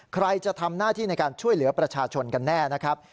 ใครจะทำหน้าที่ในการช่วยเหลือประชาชนกันแน่นะครับ